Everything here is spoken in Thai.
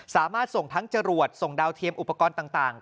สามารถส่งทั้งจรวดส่งดาวเทียมอุปกรณ์ต่าง